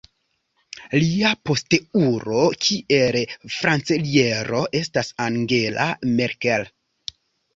Lia posteulo kiel kanceliero estas Angela Merkel.